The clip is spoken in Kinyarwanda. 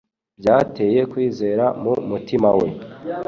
byateye kwizera mu mutima we.